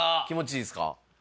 気持ちいいですか？